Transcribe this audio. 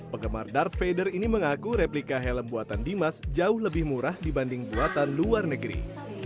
penggemar dark feder ini mengaku replika helm buatan dimas jauh lebih murah dibanding buatan luar negeri